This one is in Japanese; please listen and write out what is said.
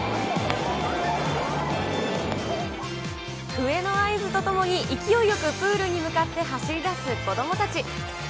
笛の合図とともに、勢いよくプールに向かって走りだす子どもたち。